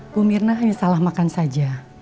bu mirna hanya salah makan saja